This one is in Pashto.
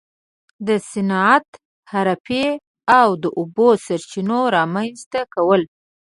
د صنعت، حرفې او د اوبو سرچینو رامنځته کول.